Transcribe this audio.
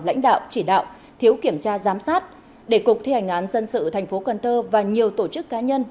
lãnh đạo chỉ đạo thiếu kiểm tra giám sát để cục thi hành án dân sự tp cnh và nhiều tổ chức cá nhân